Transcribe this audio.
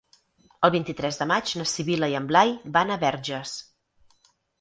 El vint-i-tres de maig na Sibil·la i en Blai van a Verges.